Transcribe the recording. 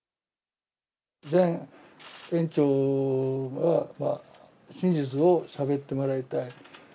前園長には、真実をしゃべってもらいたい。